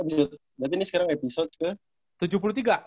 berarti ini sekarang episode ke